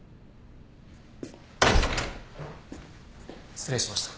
失礼しました。